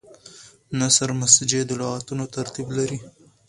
نثر مسجع د لغتونو ترتیب لري.